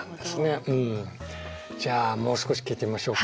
うんじゃあもう少し聞いてみましょうか。